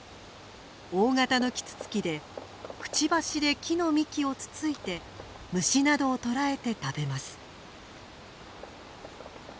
大型のキツツキでくちばしで木の幹をつついて虫などを捕らえて食べます。